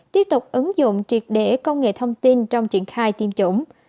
tiếp tục ứng dụng triệt để công nghệ thông tin trong triển khai tiêm chủng